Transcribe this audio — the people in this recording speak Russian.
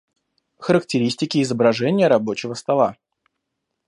Характеристики изображения рабочего стола